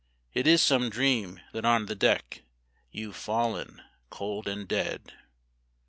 It is some dream that on the deck You've fallen cold and dead.